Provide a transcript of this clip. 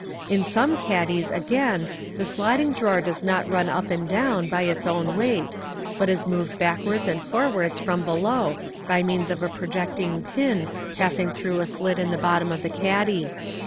In some caddies, again, the sliding drawer does not run up and down by its own weight, but is moved backwards and forwards from below by means of a projecting pin passing through a slit in the bottom of the caddy.